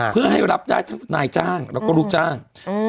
เพื่อให้รับได้ทั้งนายจ้างแล้วก็ลูกจ้าง